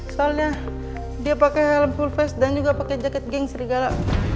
soalnya dia pake helm full face dan juga pake jaket geng serigala